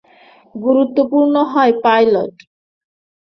গুরুত্বপূর্ণ হয় পাইলট।